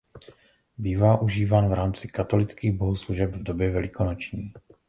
Bývá užíván v rámci katolických bohoslužeb v době velikonoční.